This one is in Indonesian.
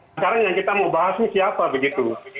sekarang yang kita mau bahasnya siapa begitu